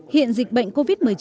hiện dịch bệnh covid một mươi chín